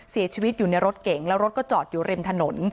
เสียชีวิตอยู่ในรถเก่งแล้วรถก็จอดอยู่ริมถนน